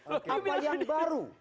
apa yang baru